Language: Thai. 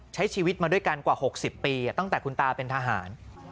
ใช้ชีวิตมาด้วยกันกว่า๖๐ปีตั้งแต่คุณตาเป็นทหาร